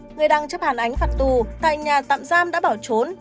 người đang chấp hành án phạt tù tại nhà tạm giam đã bỏ trốn